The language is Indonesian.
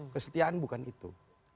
kesetiaan bukan itu